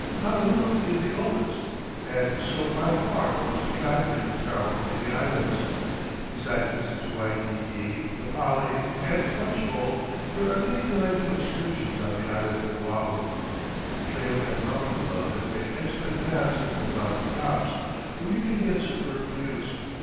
Honolulu is the oldest, and so by far the most attractive, town in the Islands. Besides visits to Waikiki, the Pali, and Punchbowl, there are many delightful excursions on the island of Oahu. The Trail and Mountain Club has made excellent paths to the mountain tops, where you can get superb views.